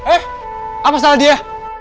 eh apa salah dia